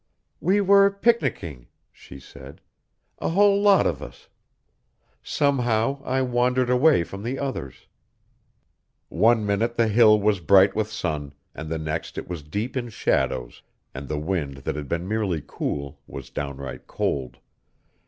"We were picnicking," she said. "A whole lot of us. Somehow, I wandered away from the others...." One minute the hill was bright with sun, and the next it was deep in shadows and the wind that had been merely cool was downright cold.